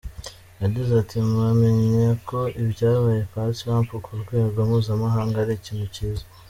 Yagize ati “Mpamya ko ibyabaye kwa Trump ku rwego mpuzamahanga ari ikintu cyiza.